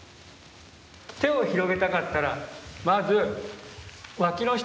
手を広げたかったらまずわきの下を広げる。